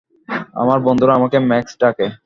আমার বন্ধুরা আমাকে ম্যাক্স ডাকে।